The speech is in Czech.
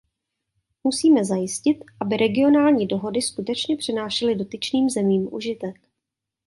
Musíme zajistit, aby regionální dohody skutečně přinášely dotyčným zemím užitek.